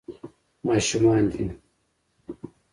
ماشومان دي.